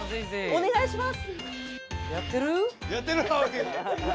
お願いします！